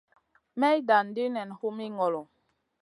May dan ɗi nen humi ŋolo.